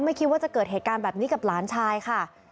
ไม่คิดว่าจะเกิดเหตุการณ์แบบนี้กับหลานชายค่ะ